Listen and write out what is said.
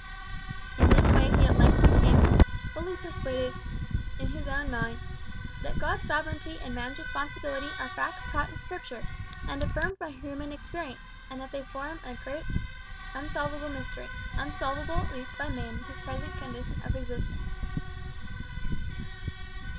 In this way he at length became "fully persuaded in his own mind" that God's sovereignty and man's responsibility are facts taught in Scripture, and affirmed by human experience, and that they form a great unsolvable mystery unsolvable at least by man in his present condition of existence.